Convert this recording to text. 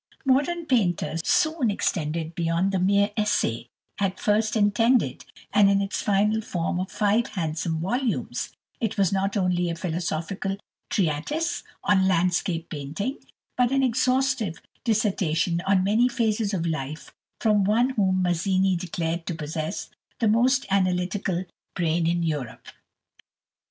"Modern Painters" soon extended beyond the mere essay at first intended, and in its final form of five handsome volumes, it was not only a philosophical treatise on landscape painting, but an exhaustive dissertation on many phases of life from one whom Mazzini declared to possess "the most analytic brain in Europe."